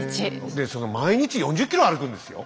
で毎日４０ｋｍ歩くんですよ？